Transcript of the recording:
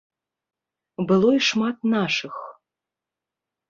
Было і шмат нашых.